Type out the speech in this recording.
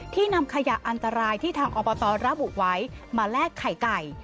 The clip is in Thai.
นำขยะอันตรายที่ทางอบตระบุไว้มาแลกไข่ไก่